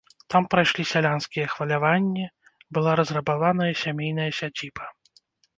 Там прайшлі сялянскія хваляванні, была разрабаваная сямейная сядзіба.